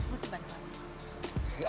buat teban pak